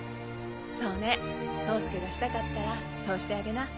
そうね宗介がしたかったらそうしてあげな。